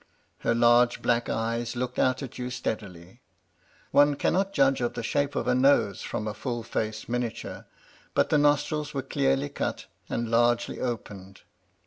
Her large, black eyes looked out at you steadily. One cannot judge of the shape of a nose from a Ml face miniature, but the nostrils were clearly cut and largely opened.